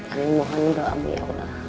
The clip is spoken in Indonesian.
amin mohon doa mu ya allah